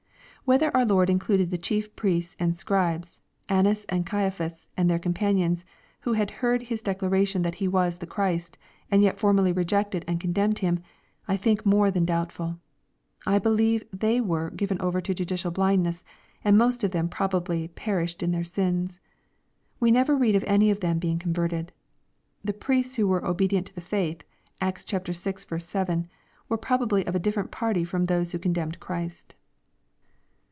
Whether our Lord included the Chief Priests and Scribes, An nas and Caiaphas and their companions, who had heard His de claration that He was the Christ, and yet formally rejected and condemned Him, I think more than doubtful. I believe they were given over to judicial blindness, and most of them probably per ished in their sins. We never read of any of them being con verted. The priests who were " obedient to the faith," (Acta vi. 7,) were probably of a diflPerent party from those who condemned Christ.